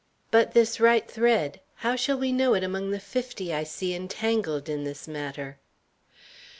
"But this right thread? How shall we know it among the fifty I see entangled in this matter?"